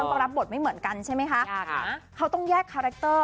ต้องรับบทไม่เหมือนกันใช่ไหมคะเขาต้องแยกคาแรคเตอร์